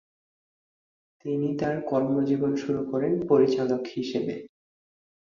তিনি তার কর্মজীবন শুরু করেন পরিচালক হিসেবে।